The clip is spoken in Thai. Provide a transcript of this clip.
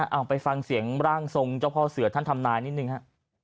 เอาไปฟังเสียงร่างทรงเจ้าพ่อเสือท่านทำนายนิดหนึ่งฮะ